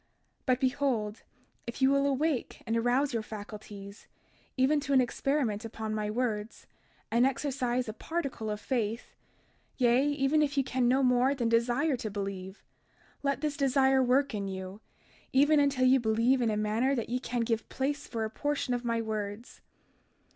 32:27 But behold, if ye will awake and arouse your faculties, even to an experiment upon my words, and exercise a particle of faith, yea, even if ye can no more than desire to believe, let this desire work in you, even until ye believe in a manner that ye can give place for a portion of my words.